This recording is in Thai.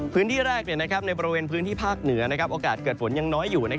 พื้นที่แรกในบริเวณพื้นที่ภาคเหนือโอกาสเกิดฝนยังน้อยอยู่